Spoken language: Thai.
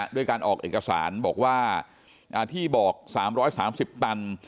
ด้วยการออกเอกสารบอกว่าที่บอก๓๓๐ตัน